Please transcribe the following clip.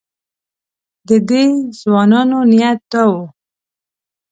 د دې ځوانانو نیت دا و.